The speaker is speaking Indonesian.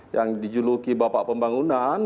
yang dijuluki bapak pembangunan